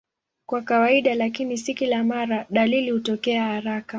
Kwa kawaida, lakini si kila mara, dalili hutokea haraka.